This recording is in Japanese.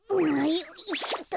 よいしょっと。